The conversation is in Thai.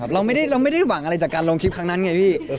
เราไม่ได้หวังอะไรจากการลงคลิปครั้งนั้นไงพี่